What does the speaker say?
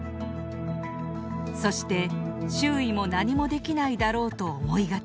そして周囲も何もできないだろうと思いがちです。